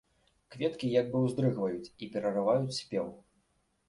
Кветкі як бы ўздрыгваюць і перарываюць спеў.